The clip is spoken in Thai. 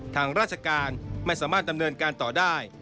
ทางราชการไม่สามารถดำเนินการต่อได้